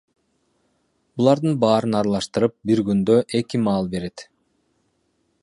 Булардын баарын аралаштырып, бир күндө эки маал берет.